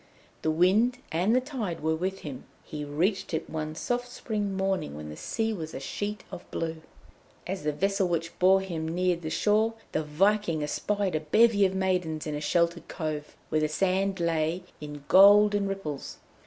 The wind and the tide were with him; he reached it one soft spring morning when the sea was a sheet of blue. As the vessel which bore him neared the shore, the Viking espied a bevy of maidens in a sheltered cove, where the sand lay in golden ripples.